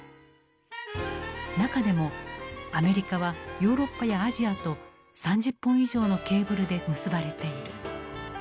中でもアメリカはヨーロッパやアジアと３０本以上のケーブルで結ばれている。